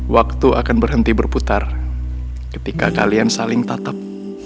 waktu akan berhenti berputar ketika kalian saling tatap